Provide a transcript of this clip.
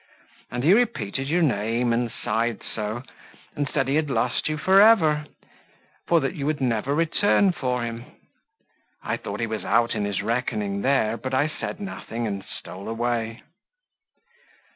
And he repeated your name, and sighed so! and said he had lost you for ever, for that you would never return for him. I thought he was out in his reckoning there, but I said nothing, and stole away."